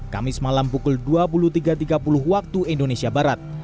kamis malam pukul dua puluh tiga tiga puluh waktu indonesia barat